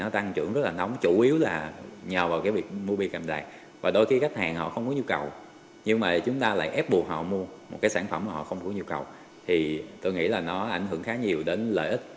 tôi nghĩ là nó ảnh hưởng khá nhiều đến lợi ích